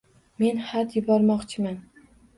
Men xat yubormoqchiman.